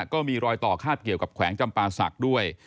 ก็มีรอยต่อคาบเกี่ยวกับแขวงจำปาศักดิ์ด้วย